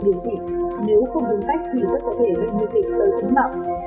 tự điều trị nếu không đúng cách thì rất có thể ghi nguy kịch tới tính mạng